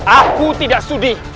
aku tidak sudi